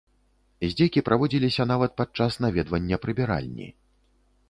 Здзекі праводзіліся нават пад час наведвання прыбіральні.